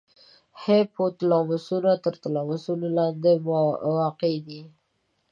هایپو تلاموس تر تلاموس لاندې واقع دی.